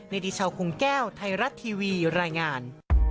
ในดิชาวคุณแก้วไทยรัตน์ทีวีรายงาน